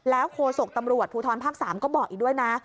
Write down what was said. แล้วโคสกตำรวจภูทรภ๓ก็บอกอีกด้วยนะ